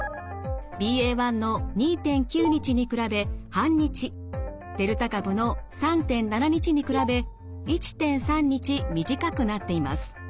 ＢＡ．１の２．９日に比べ半日デルタ株の３．７日に比べ１．３日短くなっています。